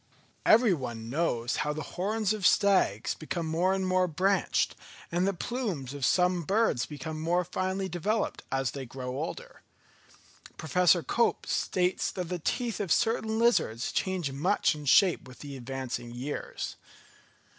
Every one knows how the horns of stags become more and more branched, and the plumes of some birds become more finely developed, as they grow older. Professor Cope states that the teeth of certain lizards change much in shape with advancing years.